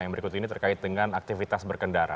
yang berikut ini terkait dengan aktivitas berkendara